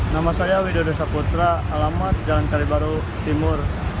nama saya widodo saputra alamat jalan kalibaru timur